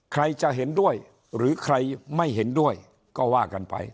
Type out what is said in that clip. ใครจะเห็นด้วยหรือใครไม่เห็นด้วยก็ว่ากันไป